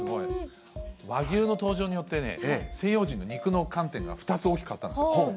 和牛の登場によってね、西洋人の肉の観点が２つ大きかったんですよ。